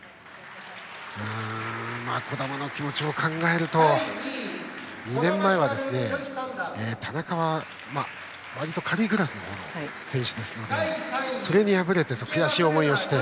児玉の気持ちを考えると２年前は、田中は割と軽いクラスの選手ですのでそれに敗れて悔しい思いをして。